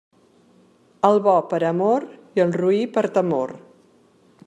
Al bo per amor i al roí per temor.